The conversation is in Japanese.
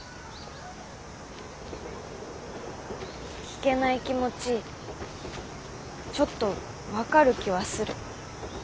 聞けない気持ちちょっと分かる気はする。